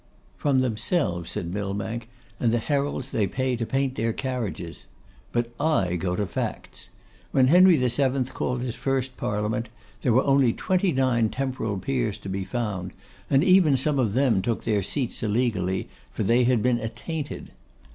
'From themselves,' said Millbank, 'and the heralds they pay to paint their carriages. But I go to facts. When Henry VII. called his first Parliament, there were only twenty nine temporal peers to be found, and even some of them took their seats illegally, for they had been attainted.